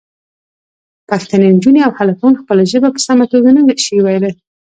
پښتنې نجونې او هلکان خپله ژبه په سمه توګه نه شي ویلی.